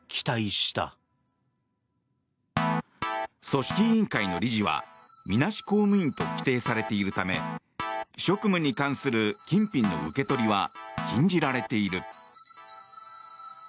組織委員会の理事はみなし公務員と規定されているため職務に関する金品の受け取りは禁じられている。